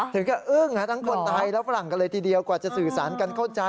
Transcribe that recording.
ถึงกับอึ้งทั้งคนไทยและฝรั่งกันเลยทีเดียวกว่าจะสื่อสารกันเข้าใจ